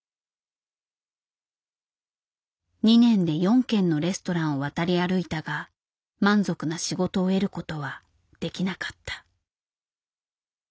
２年で４軒のレストランを渡り歩いたが満足な仕事を得ることはできなかった。